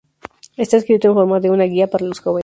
Está escrito en forma de una guía para los jóvenes.